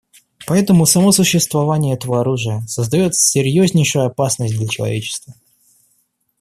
Поэтому само существование этого оружия создает серьезнейшую опасность для человечества.